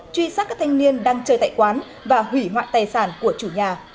truy sát các thanh niên đang chơi tại quán và hủy hoại tài sản của chủ nhà